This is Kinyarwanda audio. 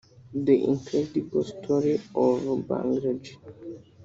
The Incredible Story of Brangelina